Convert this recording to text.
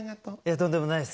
とんでもないです